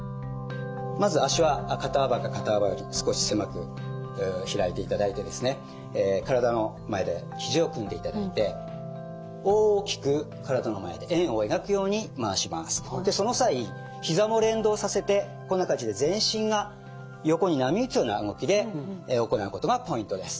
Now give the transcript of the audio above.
まず足は肩幅か肩幅より少し狭く開いていただいて体の前でひじを組んでいただいてその際ひざも連動させてこんな感じで全身が横に波打つような動きで行うことがポイントです。